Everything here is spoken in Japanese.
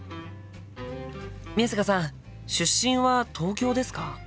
宮坂さん出身は東京ですか？